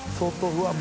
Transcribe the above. うわっ